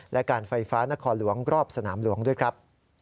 และการไฟฟ้านครหลวงรอบสนามหลวงด้วยครับ